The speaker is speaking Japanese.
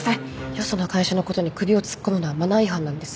よその会社のことに首を突っ込むのはマナー違反なんです。